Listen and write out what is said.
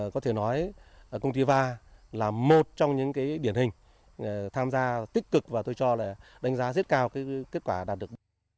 có thể nói công ty va là một trong những điển hình tham gia tích cực và tôi cho là đánh giá rất cao kết quả đạt được